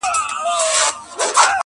اشنا مي کوچ وکړ کوچي سو!!